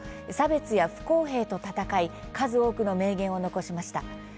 差別や不公平と戦い数多くの名言を残しました。